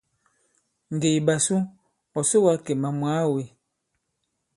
Ŋgè i ɓasu ɔ̀ soga Kemà mwàa wē.